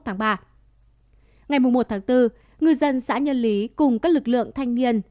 ngày một tháng bốn ngư dân xã nhân lý cùng các lực lượng thanh niên